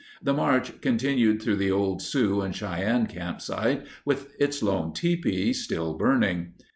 The march continued through the old Sioux and Cheyenne campsite with its lone tipi, still burning.